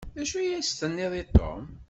D acu i as-tenniḍ i Tom?